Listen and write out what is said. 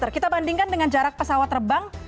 kita bandingkan dengan jarak pesawat terbang